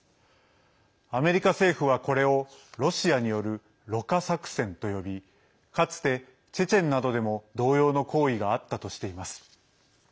アメリカ政府は、これをロシアによる「ろ過作戦」と呼びかつてチェチェンなどでも同様の行為があったとしています。